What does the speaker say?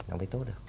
nó mới tốt được